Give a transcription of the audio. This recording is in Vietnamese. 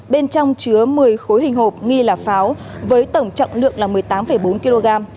bên trong chứa một mươi khối hình hộp nghi là pháo với tổng trọng lượng là một mươi tám bốn kg